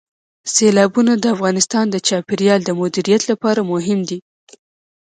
سیلابونه د افغانستان د چاپیریال د مدیریت لپاره مهم دي.